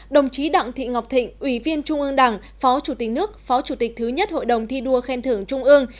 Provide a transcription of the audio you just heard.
đồng chí đặng thị ngọc thịnh ủy viên trung ương đảng phó chủ tịch nước phó chủ tịch thứ nhất hội đồng thi đua khen thưởng trung ương